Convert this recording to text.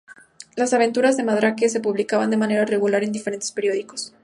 Las aventuras de Mandrake se publicaban de manera regular en diferentes periódicos.